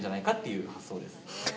いう発想です。